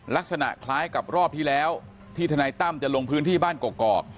ลักษณะคล้ายกับรอบที่แล้วที่ทนายตั้มจะลงพื้นที่บ้านกอก